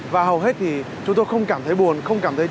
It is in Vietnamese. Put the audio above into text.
và hầu hết thì chúng tôi không cảm thấy buồn không cảm thấy